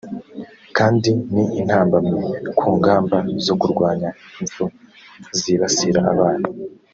kandi ni intambamyi ku ngamba zo kurwanya impfu zibasira abana